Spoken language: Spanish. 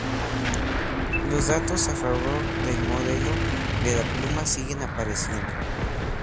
Los datos a favor del modelo de la pluma siguen apareciendo.